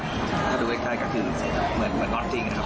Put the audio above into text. ถ้าดูใกล้ก็คือเหมือนนอนจริงนะครับ